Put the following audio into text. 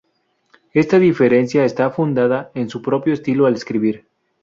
Esta diferencia está fundada en su propio estilo al escribir.